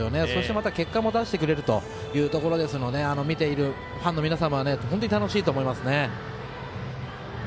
また、結果も出してくれるというところで見ているファンの皆さんは楽しいと思いますね。